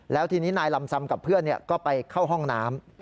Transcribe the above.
แล้วทีนี้นายลำซำกับเพื่อนก็ไปเข้าห้องน้ำ